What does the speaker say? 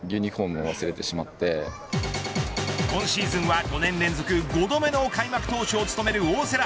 今シーズンは５年連続５度目の開幕投手を務める大瀬良。